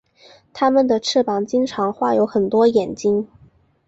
他们的翅膀经常画有很多眼睛。